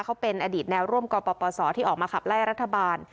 เขาเป็นอดีตแนวร่วมกปศที่ออกมาขับไล่รัฐบาล